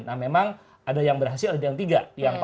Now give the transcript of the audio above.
nah memang ada yang berhasil ada yang tiga